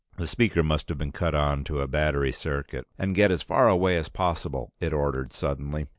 The speaker must have been cut on to a battery circuit. "And get as far away as possible," it ordered suddenly.